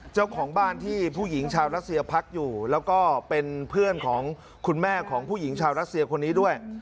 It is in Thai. เจ้าของบ้านที่ผู้หญิงชาวรัสเซียพักอยู่แล้วก็เป็นเพื่อนของคุณแม่ของผู้หญิงชาวรัสเซียคนนี้ด้วย